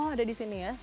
ada di sini ya